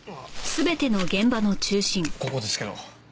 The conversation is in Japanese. ここですけど。